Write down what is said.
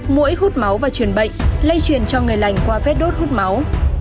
mũi hút máu và truyền bệnh lây truyền cho người lành qua vết đốt hút máu